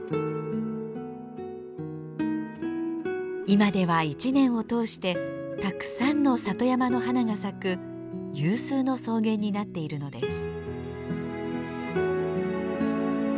今では一年を通してたくさんの里山の花が咲く有数の草原になっているのです。